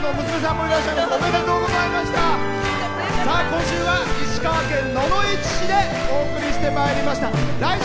今週は石川県野々市市でお送りしてまいりました。